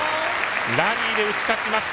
ラリーで打ち勝ちました！